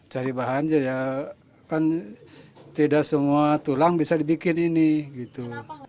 cari bahan jadi kan tidak semua tulang bisa dibikin ini gitu